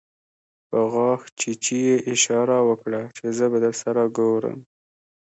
په غاښچيچي يې اشاره وکړه چې زه به درسره ګورم.